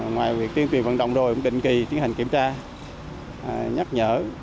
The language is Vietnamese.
ngoài việc tiên tuyển vận động đôi cũng định kỳ tiến hành kiểm tra nhắc nhở